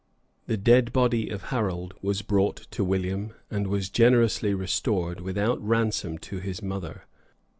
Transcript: The dead body of Harold was brought to William, and was generously restored without ransom to his mother.